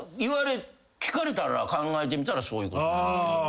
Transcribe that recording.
聞かれたら考えてみたらそういうことなんですけど。